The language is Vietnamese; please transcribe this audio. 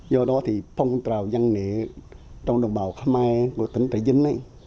do đó thì phong trào văn nghệ trong đồng bào khmer của tỉnh trái vinh